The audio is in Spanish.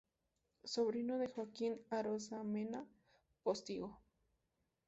Sobrino de Joaquín Arozamena Postigo.